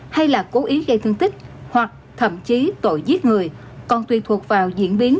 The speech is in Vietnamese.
hay là cố ý gây thương tích hoặc thậm chí tội giết người còn tùy thuộc vào diễn biến